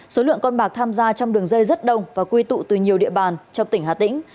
số lượng con bạc tham gia trong đường dây rất đông và quy tụ từ nhiều địa bàn trong tỉnh hà tĩnh